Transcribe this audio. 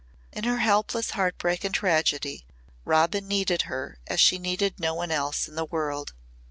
In her helpless heartbreak and tragedy Robin needed her as she needed no one else in the world.